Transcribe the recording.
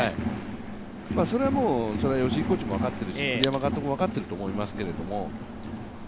それは吉井コーチも分かってるし栗山監督も分かってると思いますけども。